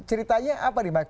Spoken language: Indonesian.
ceritanya apa di mike